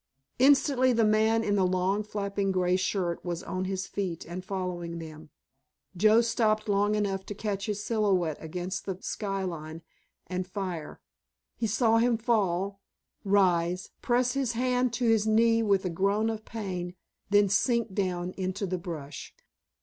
Instantly the man in the long flapping grey shirt was on his feet and following them. Joe stopped long enough to catch his silhouette against the sky line, and fire. He saw him fall, rise, press his hand to his knee with a groan of pain, then sink down into the brush.